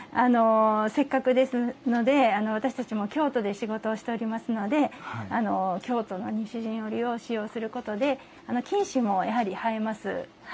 せっかくですので私たちも京都で仕事をしておりますので京都の西陣織を使用することで金糸もやはりはえます。